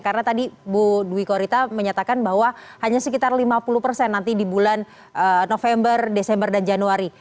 karena tadi bu dwi korita menyatakan bahwa hanya sekitar lima puluh nanti di bulan november desember dan januari